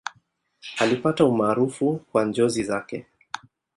Alipata umaarufu kwa njozi zake.